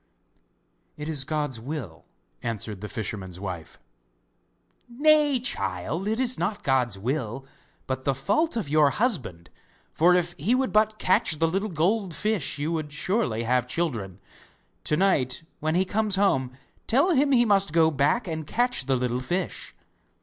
'It is God's will,' answered the fisherman's wife. 'Nay, my child, it is not God's will, but the fault of your husband; for if he would but catch the little gold fish you would surely have children. To night, when he comes home, tell him he must go back and catch the little fish.